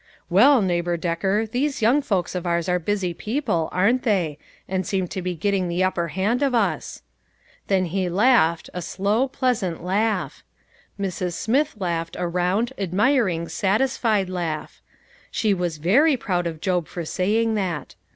"Well, Neighbor Decker, these young folks of ours are busy people, ain't they, and seem to be getting the upper hand of us?" Then he laughed, a slow, pleasant laugh. Mrs. Smith laughed a round, admiring satisfied laugh; she was very proud of Job for saying that.